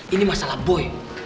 ini masalah boy